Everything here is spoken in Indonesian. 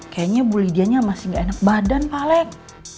kayaknya bu lidianya masih gak enak badan pak alex